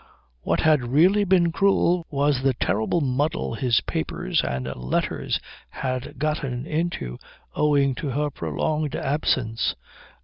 What had really been cruel was the terrible muddle his papers and letters had got into owing to her prolonged absence.